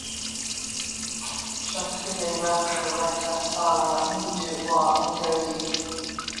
Chwakule rapo reka sara mundu wa migodi.